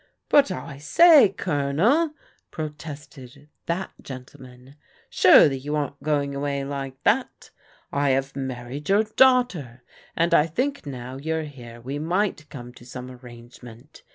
"But I say, Colonel," protested that gentleman, " surely you aren't going away like that ! I have married your daughter, and I think now you're here we might come to some arrangement.